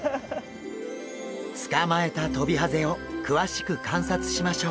捕まえたトビハゼを詳しく観察しましょう。